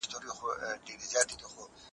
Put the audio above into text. موږ باید په وخت سره ورسېږو.